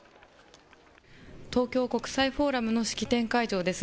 東京国際フォーラムの式典会場です。